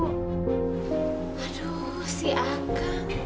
aduh si aga